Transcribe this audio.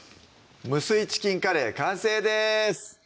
「無水チキンカレー」完成です